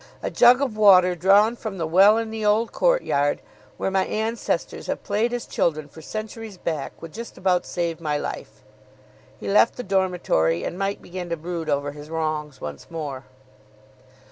A jug of water drawn from the well in the old courtyard where my ancestors have played as children for centuries back would just about save my life." He left the dormitory, and Mike began to brood over his wrongs once more.